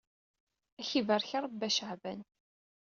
Ad ak-ibarek Rebbi a Caɛban.